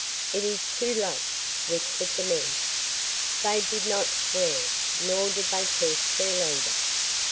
"It is too late," whispered the men. They did not swear, nor did they curse their leader.